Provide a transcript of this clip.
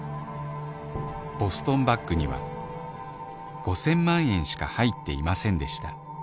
ボストンバッグには５０００万円しか入っていませんでした